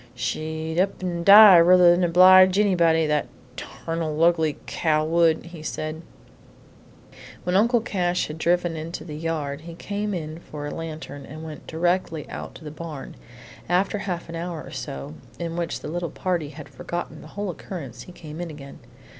"She'd up an' die ruther 'n obleege anybody, that tarnal, ugly cow would!" he said. When Uncle Cash had driven into the yard, he came in for a lantern, and went directly out to the barn. After a half hour or so, in which the little party had forgotten the whole occurrence, he came in again.